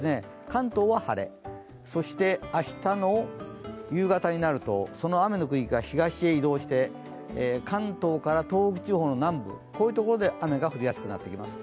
関東は晴れ、そして明日の夕方になると、その雨の区域が東に移動して関東から東北地方の南部で雨が降りやすくなってきます。